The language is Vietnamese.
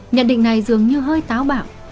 nhận định này dường như hơi táo bảo